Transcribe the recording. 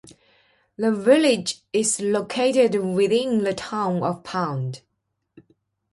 The village is located within the Town of Pound.